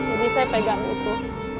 jadi saya pegang itu